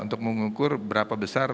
untuk mengukur berapa besar